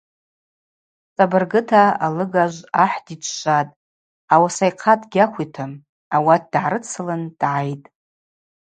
Цӏабыргыта, алыгажв ахӏ дичвшватӏ, ауаса йхъа дгьахвитым, ауат дгӏарыцлын дгӏайтӏ.